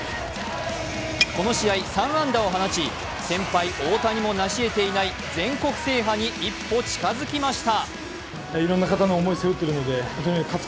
この試合、３安打を放ち、先輩・大谷もなしえていない、全国制覇に一歩近づきました。